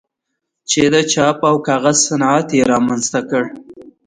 چې د چاپ او کاغذ صنعت یې رامنځته کړ.